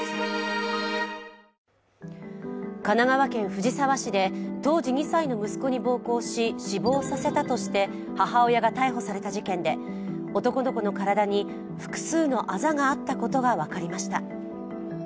神奈川県藤沢市で当時２歳の息子に暴行し、死亡させたとして、母親が逮捕された事件で男の子の体に複数のあざがあったことが分かりました。